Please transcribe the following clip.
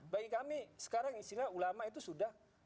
bagi kami sekarang istilah ulama itu sudah